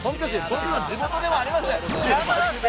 僕の地元でもあります